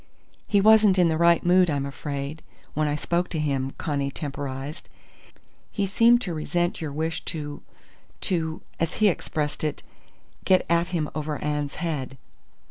"He wasn't in the right mood, I'm afraid, when I spoke to him," Connie temporized. "He seemed to resent your wish to to as he expressed it 'get at him over Anne's head.'"